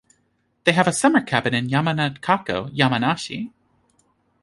They have a summer cabin in Yamanakako, Yamanashi.